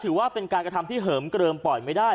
ถือว่าเป็นการกระทำที่เหิมเกลิมปล่อยไม่ได้